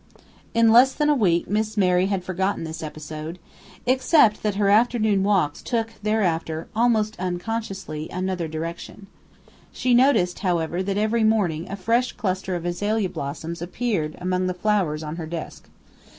In less than a week Miss Mary had forgotten this episode, except that her afternoon walks took thereafter, almost unconsciously, another direction. She noticed, however, that every morning a fresh cluster of azalea blossoms appeared among the flowers on her desk.